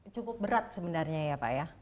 cukup berat sebenarnya ya pak ya